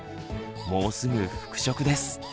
もうすぐ復職です。